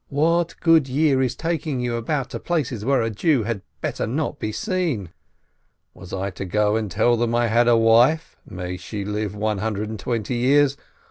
What good year is taking you about to places where a Jew had better not be seen?" Was I to go and tell them I had a wife (may she live one hundred and twenty years!)